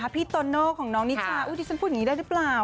พี่ตนนโรคน้องนิจถาดิฉันพูดอย่างงี้ได้หรือเปล่า